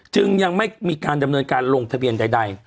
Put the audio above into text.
จึงยังไม่มีการดำเนินการลงทะเบียนใด